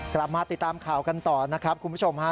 กลับมาติดตามข่าวกันต่อนะครับคุณผู้ชมฮะ